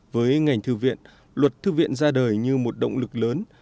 với ngành thư viện luật thư viện ra đời như một động lực lớn